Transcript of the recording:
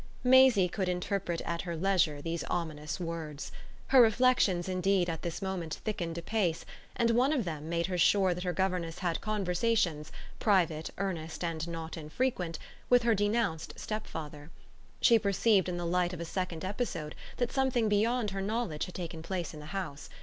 Maisie could interpret at her leisure these ominous words. Her reflexions indeed at this moment thickened apace, and one of them made her sure that her governess had conversations, private, earnest and not infrequent, with her denounced stepfather. She perceived in the light of a second episode that something beyond her knowledge had taken place in the house.